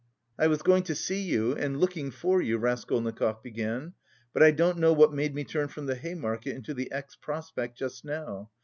"I was going to see you and looking for you," Raskolnikov began, "but I don't know what made me turn from the Hay Market into the X. Prospect just now.